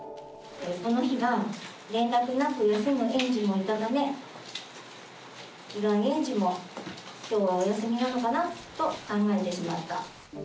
この日は、連絡なく休む園児もいたため、被害園児もきょうはお休みなのかなと考えてしまった。